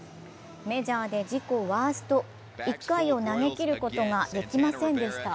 メジャーで自己ワースト、１回を投げきることができませんでした。